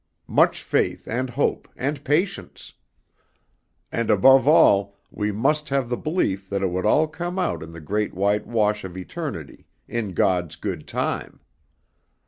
Much faith and hope and patience. And above all we must have the belief that it would all come out in the Great White Wash of Eternity, in God's good time.